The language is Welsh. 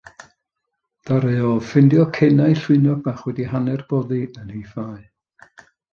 Ddaru o ffeindio cenau llwynog bach wedi hanner boddi yn ei ffau.